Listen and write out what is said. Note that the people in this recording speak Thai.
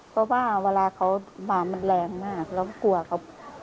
เพราะว่าเวลาเขามามันแรงมากเราก็กลัวเขา